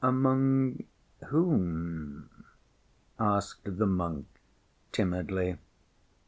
Among whom?" asked the monk, timidly.